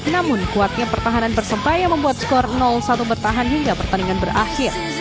namun kuatnya pertahanan persebaya membuat skor satu bertahan hingga pertandingan berakhir